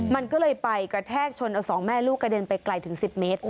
มันก็เลยไปกระแทกชนเอาสองแม่ลูกกระเด็นไปไกลถึง๑๐เมตร